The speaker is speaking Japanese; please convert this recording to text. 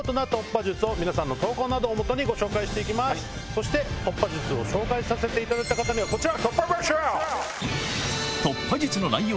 そして突破術を紹介させていただいた方にはこちら！